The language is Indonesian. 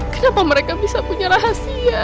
kenapa mereka bisa punya rahasia